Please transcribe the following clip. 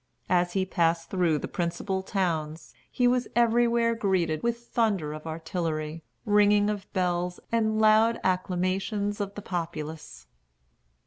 As he passed through the principal towns, he was everywhere greeted with thunder of artillery, ringing of bells, and loud acclamations of the populace.